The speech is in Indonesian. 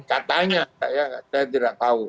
saya tidak tahu